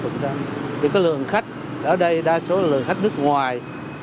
thì cái lượng khách ở đây đa số lượng khách nước ngoài